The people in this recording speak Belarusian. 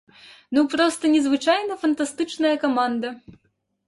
Ну проста незвычайна фантастычная каманда.